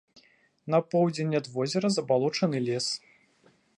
На поўдзень ад возера забалочаны лес.